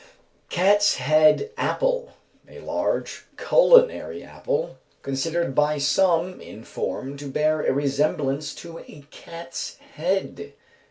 Cat's head apple. A large culinary apple, considered by some in form to bear a resemblance to a cat's head.